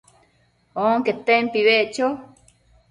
onquetempi beccho